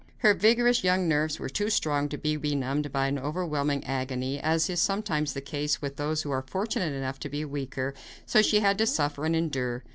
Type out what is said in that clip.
Her vigorous young nerves were too strong to be benumbed by an overwhelming agony, as is sometimes the case with those who are fortunate enough to be weaker, so she had to suffer and endure.